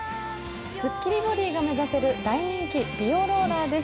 すっきりボディーが目指せる大人気美容ローダーです。